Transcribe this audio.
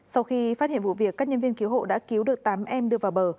sau khi phát hiện vụ việc các nhân viên cứu hộ đã cứu được tám em đưa vào bờ